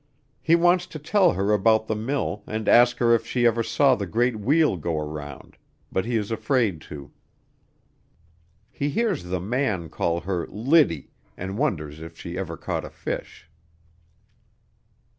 He wants to tell her about the mill and ask her if she ever saw the great wheel go around, but he is afraid to. He hears the man call her "Liddy," and wonders if she ever caught a fish.